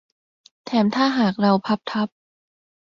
แถมถ้าหากเราพับทับ